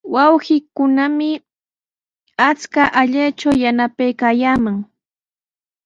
Wawqiikunami akshu allaytraw yanapaykaayaaman.